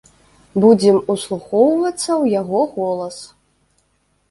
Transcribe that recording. Будзем услухоўвацца ў яго голас.